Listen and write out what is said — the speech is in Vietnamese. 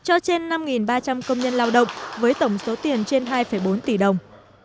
cho trên năm ba trăm linh công nhân lao động với tổng số tiền trên hai bốn tỷ đồng